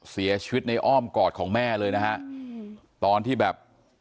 เสียชีวิตในอ้อมกอดของแม่เลยนะฮะตอนที่แบบ